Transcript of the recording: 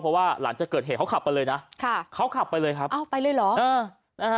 เพราะว่าหลังจากเกิดเหตุเขาขับไปเลยนะค่ะเขาขับไปเลยครับเอาไปเลยเหรอเออนะฮะ